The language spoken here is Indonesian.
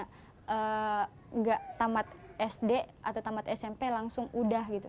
tidak tamat sd atau tamat smp langsung udah gitu